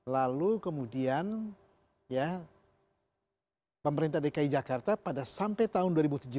lalu kemudian ya pemerintah dki jakarta pada sampai tahun dua ribu tujuh belas